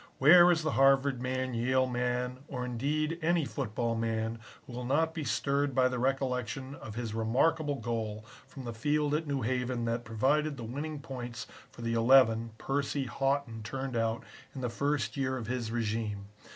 Where is the Harvard man, Yale man, or indeed any football man who will not be stirred by the recollection of his remarkable goal from the field at New Haven that provided the winning points for the eleven Percy Haughton turned out in the first year of his régime.